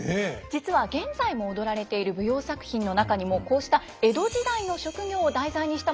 実は現在も踊られている舞踊作品の中にもこうした江戸時代の職業を題材にしたものが多いんです。